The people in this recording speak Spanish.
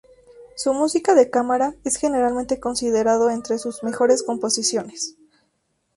Su música de cámara es generalmente considerado entre sus mejores composiciones.